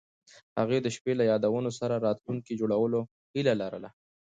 هغوی د شپه له یادونو سره راتلونکی جوړولو هیله لرله.